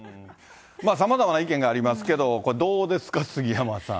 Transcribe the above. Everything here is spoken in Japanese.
さまざまな意見がありますけど、これ、どうですか、杉山さん。